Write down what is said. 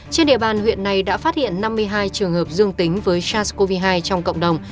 trên địa bàn huyện này đã phát hiện năm mươi hai trường hợp dương tính với sars cov hai trong cộng đồng